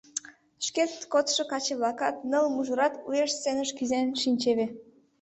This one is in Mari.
Шкет кодшо каче-влакат, ныл мужырат уэш сценыш кӱзен шинчеве.